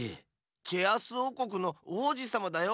チェアースおうこくのおうじさまだよ！